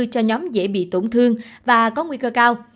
cho nhóm dễ bị tổn thương và có nguy cơ cao